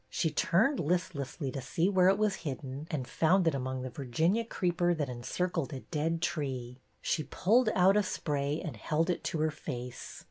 She turned listlessly to see where it was hidden, and found it among the Virginia creeper that encir cled a dead tree. She pulled out a spray and held it to her face.